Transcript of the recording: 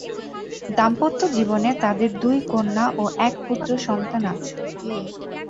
দাম্পত্য জীবনে তাদের দুই কন্যা ও এক পুত্র সন্তান আছে।